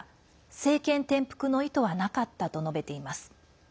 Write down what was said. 政権転覆の意図はなかったと述べています。